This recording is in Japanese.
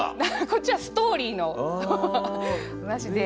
こっちはストーリーの話で。